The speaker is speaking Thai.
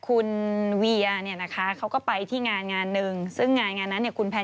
โอ้ยแน่ใจอ๋อเราก็มองไม่แน่ใจนะ